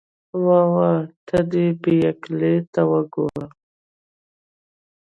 واه واه، ته دې بې عقلۍ ته وګوره.